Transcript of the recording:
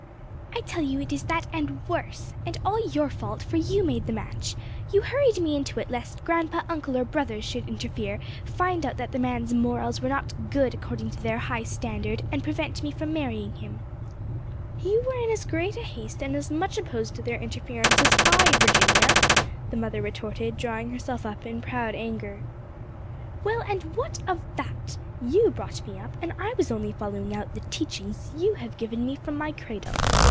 "I tell you it is that and worse! and all your fault, for you made the match! you hurried me into it lest grandpa, uncle, or brothers should interfere, find out that the man's morals were not good according to their high standard, and prevent me from marrying him." "You were in as great haste and as much opposed to their interference as I, Virginia!" the mother retorted, drawing herself up in proud anger. "Well, and what of that! you brought me up, and I was only following out the teachings you have given me from my cradle.